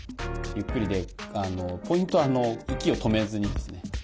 ゆっくりでポイントは息を止めずにですね